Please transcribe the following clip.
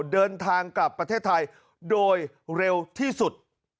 เดินทางกลับประเทศไทยโดยเร็วที่สุด